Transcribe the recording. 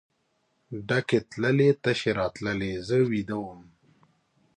ډکې تللې تشې راتللې زه ویده وم.